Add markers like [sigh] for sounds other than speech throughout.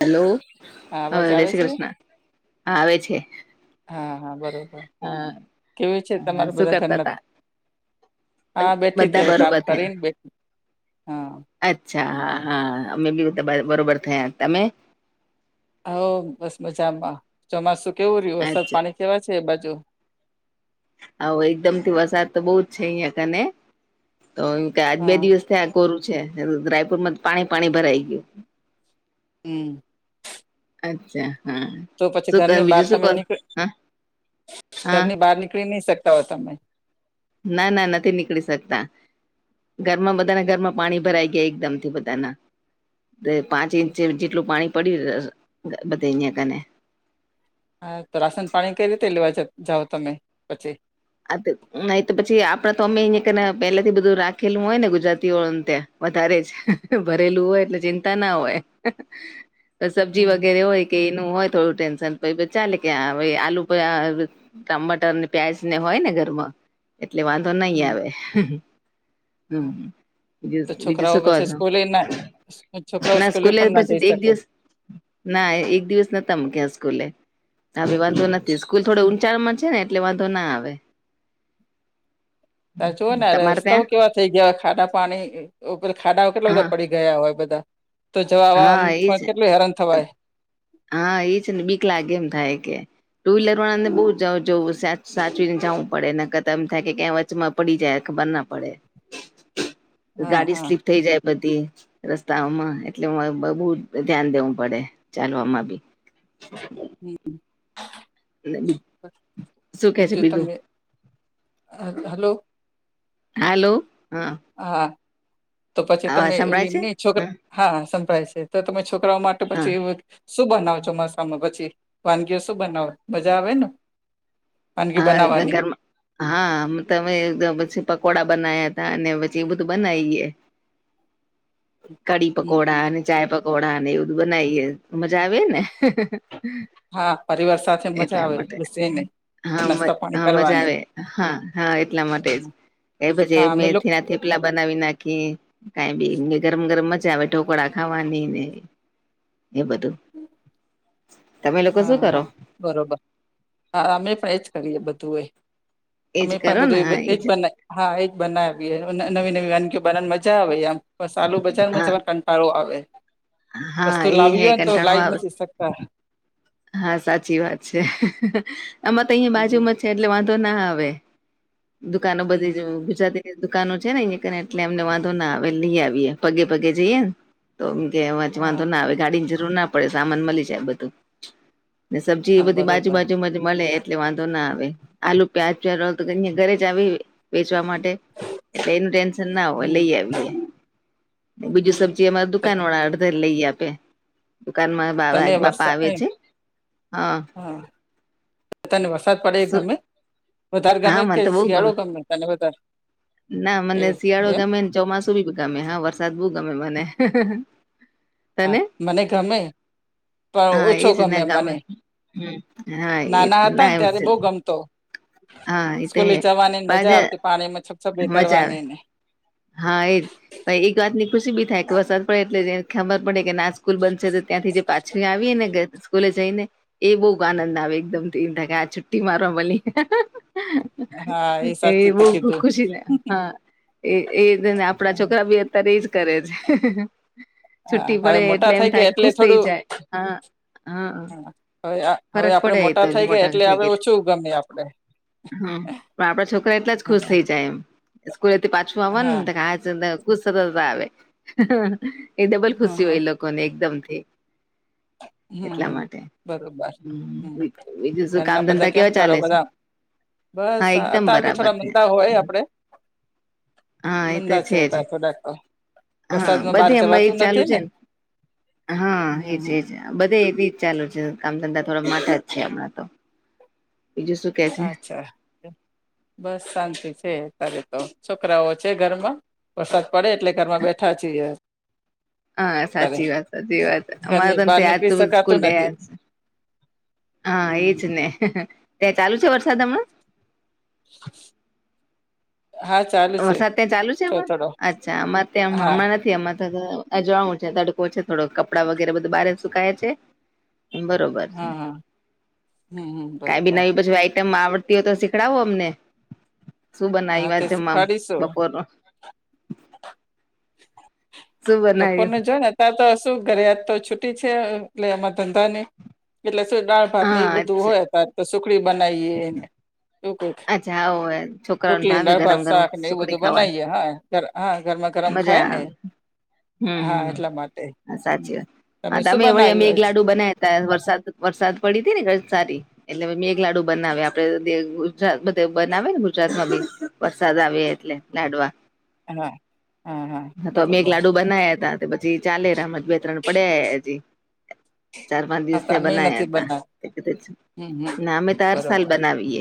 Hello. હા, અવાજ જય આવે શ્રી છે કૃષ્ણ હા, આવે છે. હા હા, બરોબર હા કેવી છે તમારા શું બધા કરતા ઘરના? તા હા, બેઠી બધા હતી હવે કામ બરોબર થયા કરીને બેઠી હા. અચ્છા. હા હા, અમે બી બધા બરોબર થયા તમે? હ, બસ મજામાં ચોમાસું કેવું રહ્યું વરસાદ અચ્છા પાણી કેવા છે એ બાજુ? આવો એકદમથી વરસાદ તો બહુ જ છે અહિયાં કને તો આજ બે હા દિવસ થયા. કોરું છે રાયપુરમાં પાણી પાણી ભરાઈ ગયું. હમ. અચ્છા, હા. તો પછી શું કર ઘરની બહાર બીજું શું તમે કર નીક હા હા ઘરની બહાર નીકળી નહી શકતા હોય તમે? ના ના, નથી નીકળી શકતા. ઘરમાં બધાના ઘરમાં પાણી ભરાઈ ગયા એકદમથી બધાના. તે પાંચ ઇંચ જેટલું પાણી પડીયું બધે અહીંયા કને. હા, તો રાસન પાણી કઈ રીતે લેવા જાઓ તમે પછી? નહી તો પછી આપડે તો અમે અહીંયા કે પેલાથી બધું રાખેલું હોય ને ગુજરાતીઓળને ત્યાં. વધારે જ ભરેલું હોય એટલે ચિંતાના હોય તો સબ્જી હમ વગેરે હોય કે એનું હોય થોડું ટેન્શન પ ચાલે કે આલુ ટમાટરને પ્યાજ ને હોયને ઘરમાં એટલે વાંધો નઈ હમ આવે હા. હમ. બીજું તો બીજું છોકરાઓ શું કો પછી છો સ્કૂલે ના છોકરાઓ ના સ્કૂલે પણ ના જઈ પછી એક શકે દિવસ ના એક દિવસ નતા મૂક્યા સ્કૂલે. હ વાંધો નથી સ્કૂલ થોડો ઊંચાણમાં છે ને એટલે વાંધો ના આવે. અ જોઓ ને આ તમારે ત્યાં રસ્તાઓ કેવા થઈ ગયા હોય ખાડા પાણી ખાડાઓ કેટલા હા બધા પડી ગયા હોય બધા. તો જવા હા આવામાં એજ પણ કેટલું હેરાન થવાય. હા, એ છે ને બીક લાગે એમ થાય કે. ટુ વ્હીલર વાળાને બહુવ સાચવીને જવું પડે ને ક એમ થાય કે ક માં પડી જાય ખબરના પડે. હા ગાડી હા સ્લીપ થઈ જાય બધી રસ્તાઓમાં એટલે બુ ધ્યાન દેવું પડે ચાલવામાં બી. હમ્મ શું કે છે બીજું. તમે હ હલો. હલો, હા. હા, તો પછી અવાજ તમે સંભળાય છે ઓલી છોકરા હા, સંભળાય છે તો તમે છોકરાઓ માટે હા પછી એવું શું બનાવો ચોમાસામાં પછી વાનગીઓ શું બનાવો મજા આવેને. હા, ગરમાં હા, તમે પછી પકોડા બનાયા હતા અને પછી એ બધું બનાઈએે. કડી હમ પકોડા અને ચાય પકોડાને એ બધું બનાઈએ મજા આવે ને. હા, પરિવાર સાથે મજા આવે વિસી ને. હ હા, મજા આવે હા હા એટલા માટે જ એ હા પછી અમે લોકો મેથી થેપલા બનાવી નાખીએ. કાઈ બી ગરમ ગરમ મજા આવે ઢોકળા ખાવાની ને. એ બધું તમે લોકો શું હા કરો હા બરાબર હા અમે પણ એ જ કરીએ બધું એ એજ અમે પણ કરો ને હા બધું એજ બનાય હા એજ બનાવી નવી નવી વાનગીઓ બનાવવા મજા આવે આમ બસ સાલુ બજાર માં હા જવાનો કંટાળો આવે હા વસ્તુ એ હે લાવી હો ને તો કંટાળો લાવ આવે નથી સક [inaudible] હા સાચી વાત છે આમાં તો અહીયા હમ બાજુમાં છે એટલે વાંધો ના આવે દુકાનો બધી જ હમ ગુજરાતી દુકાનો છે ને અહયા કરીને એટલે અમને વાંધો ના આવે લઈ આવીએે પગે પગે જઈએ ને તો એમ કે વંચવા હા તો ના આવે ગાડી ની જરૂર ના પડે સામાન મળી જાય બધું ને સબ્જી એ હા બધી બાજુ બરોબર બાાજુમાં જ મળે એટલે વાંધો ના આવે આલુ પ્યાજ પ ઘરે જ આવે વેચવા માટે એટલે એનું ટેન્શન ના હોય હમ લઈ આવી બીજું સબ્જી અમારા દુકાન વાળા અડધારે લઈ આપે દુકાનમાં તને એક બાપા વરસાદ આવે એમ છે હા તને વરસાદ પડે એ ગમે વધારે હા ગમે કે મને તો બઉ શિયાળો ગમે તને વધારે ના એ મને શિયાળો એમ ગમે ને ચોમાસું બી ગમે હા વરસાદ બ ગમે મને હા તને મને ગમે પણ હા ઓછો એજ ગમે ના મને હમ હા એ નાના હતા ના ને ત્યારે બહુ ગમતો હા એ તો સ્કૂલે હે. જવાની મજા આવતી પાણીમાં છપ છપ બે મજા આવે કરવાવાની ને હા એજ પણ એક વાત ની ખુશી બી થાય વરસાદ પડે એટલે ખબર પડે કે ના સ્કૂલ બનશે તો ત્યાંથી જે પાછી આવીએ ને સ્કૂલે જઈ ને એ બહ આનંદ આવે એકદમ આ છુટી મારવા મલી હા એ સાચી તે બહ કીધું ખુશી થ હા એ એને આપણા છોકરા બી અત્યારે એજ કરે છે. હા છુ્ટી પડે હવે મોટા એટલે એમ થઈ થાય ગયા કે એટલે ખુશ થઇ જાય હા, હા હવે હવે ફરક આપડે પડે એ તો મોટા થઈ ગયા એટલે થઈ આપણે ગયા ઓછું ગમે આપડે. હા પણ આપડા છોકરા એટલા જ ખુશ થઇ જાય એમ સ્કૂલે પાછું આવવા હા ને [unintelligible] આવે એ ડબલ હમ ખુશી હોય લોકો કોને એકદમથી હમ એટલા હમ માટે બરોબર હમ બીજું શું કામ ઘરના બધા ધંધા કેમ કેવા કરો ચાલે છે બધા બસ હા એકદમ અત્યારે તો બરાબર થોડા છે મંદા હોય આપડે હા એ તો મંદા છે જ અત્યારે થોડાક તો હા વરસાદમાં બહાર બધેમાં એજ જવાતું ચાલુ નથી છે ને હા હમ એજ હમ એજ બધે એવી જ ચાલુ છે કામ ધંધા થોડા માટા જ છે હમણાં તો બીજું શું કે છે અચ્છા બસ શાંતિ છે. તારે તો છોકરાઓ છે ઘરમાં? વરસાદ પડે એટલે ઘરમાં બેઠા છીએ. હા અત્યારે સાચી વાત સાચી વાત અમારે ઘરની બહાર તને આજ તો નીકળી બ સ્કૂલ શકાતું નથી ગહ્યા છે. હા એજ હમ ને, ત્યાં ચાલુ છે વરસાદ હમણાં? હા ચાલુ છે વરસાદ ત્યાં ચાલુ છે થો હમણા? થોડો અચ્છા અમારે હા ત્યાં હ એમાં તો અજાણું છે તડકો છે થોડો કપડાં વગેરે બધું બારે સુકાય છે. એમ બરોબર છે હા હા હમ હમ કઈ બી બરોબર નવી બછી આઈટમ આવડ તેઓ તો શીખડાવો અમને શું બનાવી વાત જમમા શું? બપોર નું? શું બપોર બનાવ્યું ને જો ને, ત તો શું ઘરે આજ તો છુટી છે એટલે એમાં ધંધા ની એટલે શું ડાળ, ભાત ને હા એ બધું અચ્છા હોય ત્યારે તો સુખડી બનાવીએ એ, શું ક? અચ્છા આવો છોકરાઓને રોટલી ભાવે ગરમ દાળભાત ગરમ શાક ને એવું સુખડી બધું ખાવાની બનાવીયે હા ગર હા ગરમા ગરમ ખાય મજા ને, આવે હા હમ એટલા માટે સાચી વાત હા શું તમે વળી બનાવ્યું અમે એક આજ લાડુ બનાય. ત વરસાદ વરસાદ પડી હતી ને સારી એટલે મેઘલાડુ બનાવે આપડે ગજરાત બધ બનાવે ને ગુજરાત માં બી વરસાદ આવે એટલે લડવા, હા હા હા હા તો મેઘ બરોબર લાડુ બનાયા હતા, પછી ચાલે રામજ બે ત્રણ પડ્યા હજી, ચાર પાંચ હા દિવસ તો ત્યાં અમે નથી બના્યા બનાવ્યું હતા. હમ હમ ના અમે તો હર સાલ બરોબર બનાવીએ.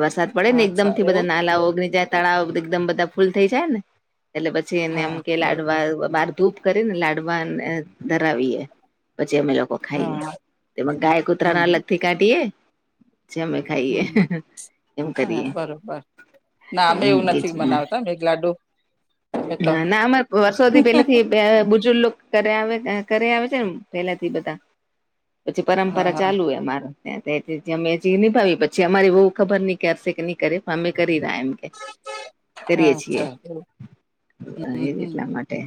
વરસાદ પડે ને એકદમ અચ્છા થી એવું બધા નાલા ઓગણી જાય તળાવ એકદમ બધા ફૂલ થઈ જાય ને એટલે પછી છેને એમ હા કે બરોબર લાડવા બહાર ધૂપ કરીને લાડવાને ધરાવીએ, પછી અમે લોકો હા ખાઈએ તેમાં ગાય કૂતરા ના હમ અલગ થી કાઢીએ. પછે અમે ખાઈએ. હમ એમ હા કરીએ બરોબર ના અમે હમ એવું એજ નથી બનાવતા મે લાડુ અમે તો હા નામા વર્ષોથી પેલે થી બુજુર્ગ કર આવે છેમ પેલાથી બધા પછી હા પરંપરા હા ચાલુ હોય અમારે ત્યાં નિભાવી પછી અમારી બહુ ખબર ન કે અરસે કે ન કરે અમે કરી રહ્યા એમ કે, હા કરીય છીએ અચ્છા એવું હમ એ હમ એટલા માટે,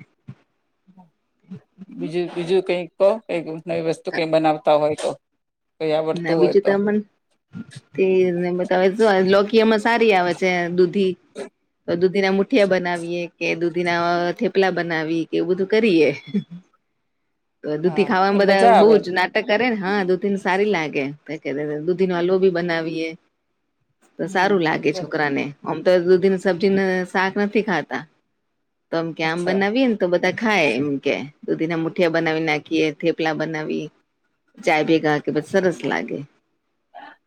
બીજું બીજું કઈ ક કઈ નવી વસ્તુ કઈ બનાવતા હોય તો? કઈ આવડતું ના હોય બીજું તો તમને ને બ શ લોકી અમાં સારી આવે છે દૂધ દૂધી ના મુઠિયા બનાવીએ કે દૂધીના થેપ થપલા બનાવી કે એવું બધું કરીએ તો દૂધી હા એ ખાવાવામાં બધા મજા આવે બહ જ ના કરે ને હા દૂધીને સારી લાગે દૂધી નો હમ અલવો બી બનાવીયએ. તો હમ સારું લાગે બરોબર છોકરા ને, આમ તો દૂધી ને સબ્જીને શાક નથી ખાતા તોમ કે્યા આમ અચ્છા બનાવીએ ને તો બધા ખાય એમ કે દૂધી ના મુઠિયા બનાવી નાખીએ થેપલા બનાવી, ચાય બી ગા કે બ સરસ લાગે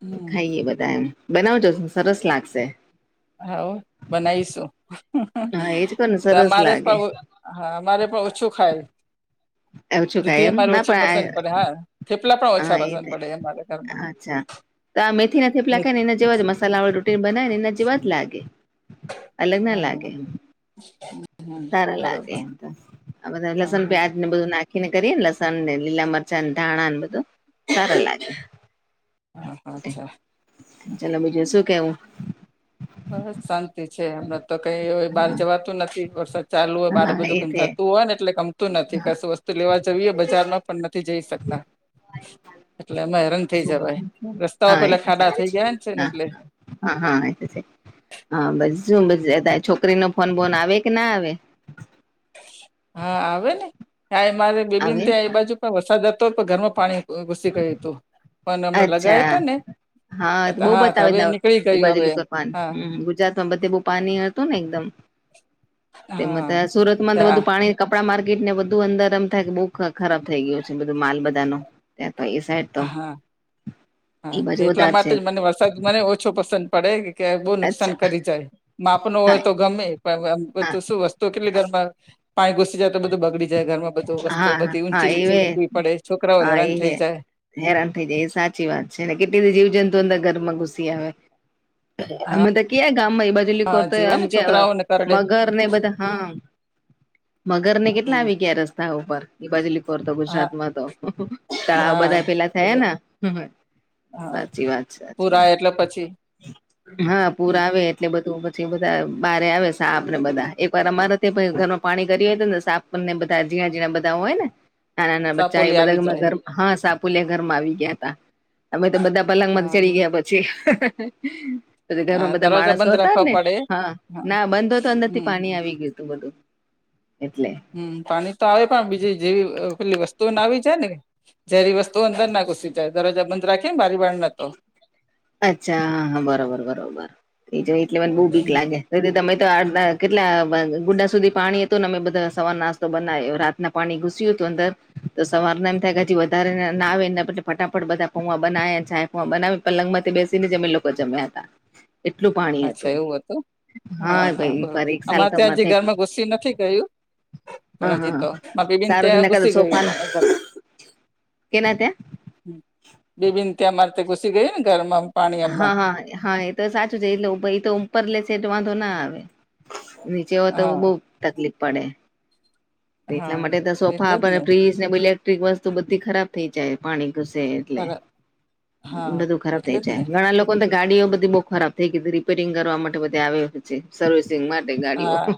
હમ ખાઈએ બધા એમ બનાવજો સરસ લાગશે. હાવ બનાવીશું હા એજ કોને સરસ અમારે લાગે પણ હા અમારે પણ ઓછું ખાય [inaudible] એવછું કાય દૂધી એમ અમારે ના ઓછી પણ પસંદ પડે હા થેપલા પણ ઓછા હા એ પસંદ જ પડે અમારે ન ઘરમાં અચ્છા તો આ મેથી ના થેપલાખે ને એના જેવા જ મસાલા વાળી રોટી બનાવે ને એના જેવા જ લાગે અલગ ના લાગે હા હમ સારા લાગે બરોબર એમ તો આ બધા હા લસન હા પ્યાજ અનેને બધું નાખીને કરીએ લસણ ને લીલા મરચા ધાણા બધું. સારા લાગે હા અચ્છા ચાલો બીજું શું કેવું? બસ શાંતિ છે હમ તો કઈય બહાર જવાતું નથી વરસાદ ચાલુ હોય બાર હા એ બધું કન્થાતું હોય ને એટલે નથી કશું વસ્તુ લેવા જવીએ બજારમાં પણ નથી જઈ શકતા એટલે અ ર થઈ જવાય રસ્તાઓ હા એ પેલા ખાડા થઈ ગયા ને છે ને હા એટલે હા હા એ તો છે હા બસ શું બ છોકરી નો ફોન બોન આવે કે ના આવે હા આવે ને આ મારે બેબીન આવે ત્યાં એ બાજુ પણ વરસા જતો પણ ઘરમાં પાણી ઘુસી ગયું હતું પણ હમને લગાય હતો અચ્છા ને હા બહુ તો બતાવે હવે દ નીકળી ઈ ગયું હવે બાજુલી કપાન હા ગુજરાત માં બધે બહુ પાણી હતું ને એકદમ, તેમાં હા ત સુરતમાં તો ત્યાં બધું પાણી કપડા માર્કેટ ને બધું અંદર એમ થાય કે બહુ ખરાબ થઈ ગયયો છે બધું માલ બધાનો ત્યાં તો એ સાઈડ તો હા હા એ બાજુ એટલા વધારે છે માટે જ મને વ રસાદમ ને ઓછો પસંદ પડે કે બહુ નુકસાન અચ્છા કરી જાય માપ નો હોય હા તો ગમે હા ધ શું વસ્તુ કેટલી ઘરમાં પાણી ઘુસી જાય તો બધું બગડી જાય ઘરમાંધ તો હા વસ્તુઓ હા બધી હા ઊંચી નીચી એવે મૂકવી પડે છોકરાઓ હા એ હેરાન થઈ હે જાય હેરાન થઈ જાય એ સાચી વાત છે ને કેટલી બધી જીવજંતુ અંદર ઘરમાં ઘુસી આવે હા અમે તો કેયા ગામમાં એ બાજુલી હા કોતા જીવાય અમ ને કે છોકરાઓને કરડે મગર ને બધા હા મગર ને કેટલા આવી ગયા રસ્તા ઉપર બાજલી કોર તો હા ગુજરાત માં તો તળાવ બધા હા પેલા થયા ને હ હા સાચી વાત છે સાચી વાત પુરાય એટલે છે પછી હા પૂર હમ, આવે એટલે બધું પછી બધા બારે આવે સાપ ને બધા એક વાર અમારા તે ઘરમાં પાણી ગરીયું હોય તો ને સાફ ને બધા ઝિણા ઝિણા બધા હોય ને ના ના ના બચ્ચા એ સાપોલી બધા આવી જાય ઘરમ હા સાપુલિયા ઘરમાં આવી ગયા હતા અમે તો બધા પલંગ માં હા ચડી બી ગયા પછી જ પછી હા ઘરમાં બધા દરવાજા માણસો બંધ હતા રાખવા ને પડે હા ના બંધ હો તો અંદર થી હમ પાણી આવી ગયું હતું બધું એટલે હમ પાણી તો આવે પણ બીજી જેવી પેલી વસ્તુઓ ના આવી જાય ને ઝેરી વસ્તુઓ અંદર ના ઘુસી જાય દરવાજા બંધ રાખી ને બારી બાણ ના તો અચ્છા હા હા બરોબર બરોબર એ જો એટલે મને બહુ ભીક હમ લાગે [unintelligible] તે તમે તો આ કેટલા ગુડા સુધી પાણી હતું ને અમે બધા સવાર નાસ્તો બનાવ્યો ના પાણી ઘુસ્યું હતું અંદર તો સવાર ના એમ થાય વધારે ના આવે ને ફટાફટ બટાકા પૌવા બનાયા બનાવી પલંગ માંથી બેસીને અમે લોકો જમ્યા હતા એટલું પાણી અચ્છા હતું એવું હા ભાઈ બરોબર વા એક સાલ અમારે તો ત્યાં હજી માટેટ ઘરમાં ઘુસી નથી ગયું પણ હા હજી હા તો મારી બેબીન સારું ત્યાં છેને કે ઘુસી ગયું સોફા પાણી ઘરમાં કેના ત્યા બેબીન તં અમારે ત ઘુસી ગય ને ઘરમાં પાણી હમણાં હા હા હા એ તો સાચું છે એલે ભાઈ તો ઉપર લે છે એટ વાંધો ના આવે જેવ તો હા બહુ તકલીફ પડે હા એટલા માટે તો એટલે સોફા જ ફ્રીજ ને ઇલેક્ટ્રિક વસ્તુ બધી ખરાબ થઈ જાય પાણી ઘુસે ખરા હા બધું ખરાબ એટલે થઈ જ જાય ને ઘણા લોકો પણ ગાડીઓ બધી બઉુ ખરાબ થઈ ગી હતી રીપેરિંગ કરવા માટે બધી આવ્યો સર્વિસિંગ માટે ગાડીઓ હા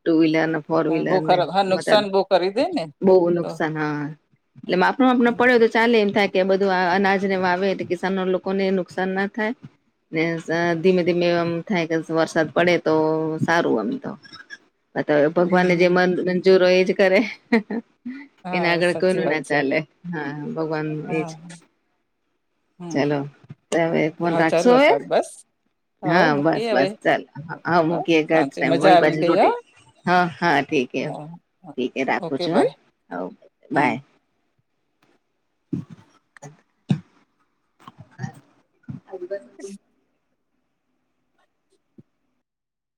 ટુ વ્હીલર ફોર હા બહુ વ્હીલર ને ખરાબ હા નુકસાન બહુ કરી દે ને બહુ તો નુકસાન હા એટલે માપડ માપ હમ પડ્યો તો ચાલે એમ થાય કે બધું અનાજને વાવે કિસાન લોકોને નુકસાન ના થાય ને ધીમે ધીમે થાય કે વરસાદ પડે તો સારું એમ તો બ ભગવાનને જે હમ મ મંજૂરો હોય એજ કરે એના હા આગળ સાચી કોઈનું વાત ના છે ચાલે હા ભગવાન એજ હા હમ ચાલો હવે ફોન હા રાખશો ચાલો હવે તાર બસ હવ હા બસ મૂકીએ હવે બસ ચાલ હા મૂકીએ એક શાંતિ ટાઈમ મજા વળી આવી પાછી ગઈ હ રોટી હા હા હા ઠીેકઠીક રાખું ઓકે છું બાય હ હમ બાય હ હમ